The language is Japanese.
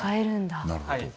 なるほど。